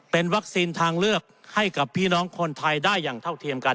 เป็นวัคซีนทางเลือกให้กับพี่น้องคนไทยได้อย่างเท่าเทียมกัน